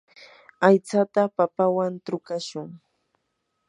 aytsata papawan trukashun.